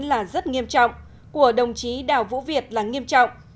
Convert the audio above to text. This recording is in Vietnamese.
là rất nghiêm trọng của đồng chí đào vũ việt là nghiêm trọng